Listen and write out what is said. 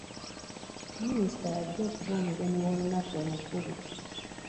Minisita y'ajja okuba omugenyi w'olunaku omukulu.